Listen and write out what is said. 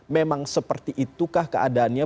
memang seperti itukah keadaannya